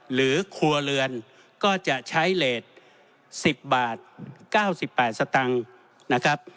หรือครัวเรือนก็จะใช้เลส๑๐บาท๙๘สตังค์นะครับ